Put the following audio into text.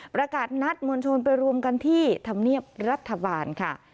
ประกาศนัดมวลชนไปรวมกันที่ธรรมเนียบรัฐบาลค่ะ